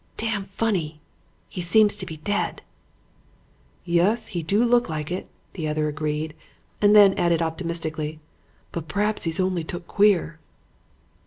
"'Dam funny. He seems to be dead.' "'Yus; he do look like it,' the other agreed and then added optimistically, 'but p'raps he's only took queer.'